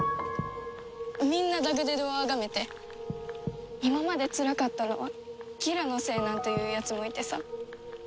みんなダグデドを崇めて今までつらかったのはギラのせいなんて言うやつもいてさ。